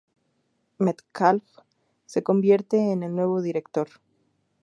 Metcalfe se convierte en el nuevo director.